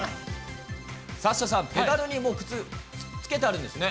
サッシャさん、ペダルにもう靴、つけてあるんですね。